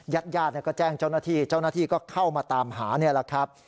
ยาดก็แจ้งเจ้าหน้าที่เจ้าหน้าที่ก็เข้ามาตามหา